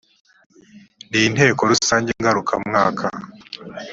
n inteko rusange ngarukamwaka